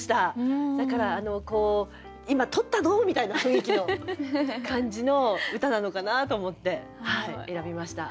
だから「今取ったど！」みたいな雰囲気の感じの歌なのかなと思って選びました。